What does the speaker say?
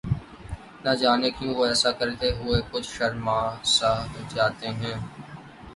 نہ جانے کیوں وہ ایسا کرتے ہوئے کچھ شرماسا جاتے ہیں